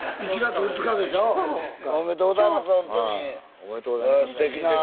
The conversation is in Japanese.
おめでとうございますほんとに。